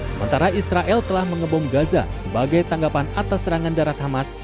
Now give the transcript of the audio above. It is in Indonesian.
sementara israel telah mengebom gaza sebagai tanggapan atas serangan darat hamas